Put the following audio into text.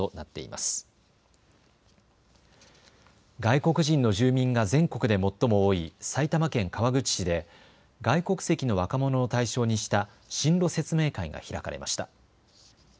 外国人の住民が全国で最も多い埼玉県川口市で外国籍の若者を対象にした進路説明会が開かれました。